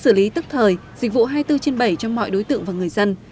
xử lý tức thời dịch vụ hai mươi bốn trên bảy cho mọi đối tượng và người dân